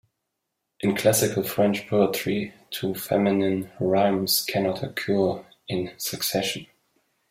In classical French poetry, two feminine rhymes cannot occur in succession.